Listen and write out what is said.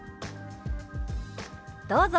どうぞ！